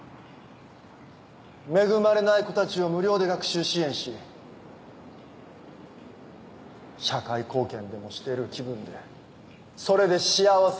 恵まれない子たちを無料で学習支援し社会貢献でもしている気分でそれで幸せ。